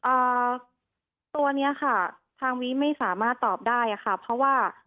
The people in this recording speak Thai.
อ่าตัวเนี้ยค่ะทางวิไม่สามารถตอบได้อ่ะค่ะเพราะว่า